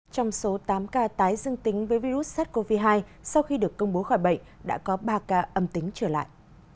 trong số tám ca tái dương tính với virus sars cov hai sau khi được công bố khỏi bệnh đã có ba ca âm tính trở lại